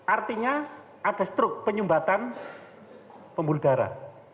artinya ada struk penyumbatan pemulgara